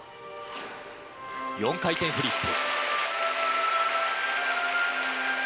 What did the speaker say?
４回転フリップ。